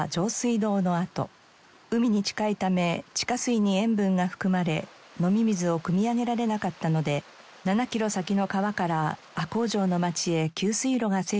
海に近いため地下水に塩分が含まれ飲み水をくみ上げられなかったので７キロ先の川から赤穂城の町へ給水路が整備されました。